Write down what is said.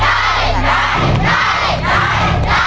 นัด